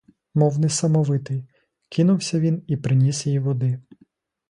Мов несамовитий, кинувся він і приніс їй води.